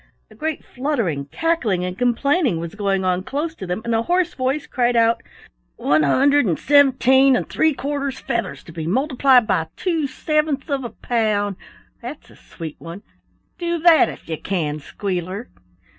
A great fluttering, cackling, and complaining was going on close to them, and a hoarse voice cried out: "One hundred and seventeen and three quarters feathers to be multiplied by two sevenths of a pound. That's a sweet one! Do that if you can, Squealer."